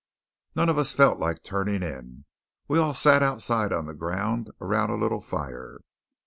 None of us felt like turning in. We all sat outside on the ground around a little fire.